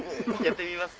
やってみます？